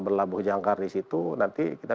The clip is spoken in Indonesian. berlagu jangkar disitu nanti kita